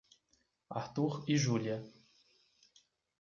Arthur e Julia